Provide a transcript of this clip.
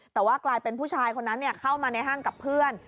แต่ว่ากลายเป็นผู้ชายคนนั้นเข้ามาในห้างกับเพื่อน